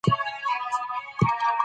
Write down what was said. خو ورباندي غالب شي او په اور كي ورغورځي